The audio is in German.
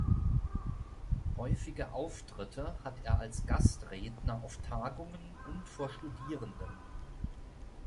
Häufige Auftritte hat er als Gastredner auf Tagungen und vor Studierenden.